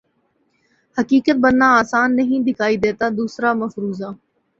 حقیقت بننا آسان نہیں دکھائی دیتا دوسرا مفروضہ